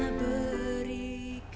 bagaimana caranya bersabar